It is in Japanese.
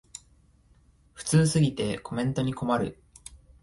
普通すぎてコメントに困る